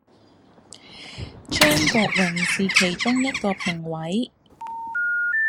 張國榮是其中一個評委